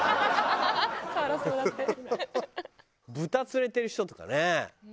豚連れてる人とかね。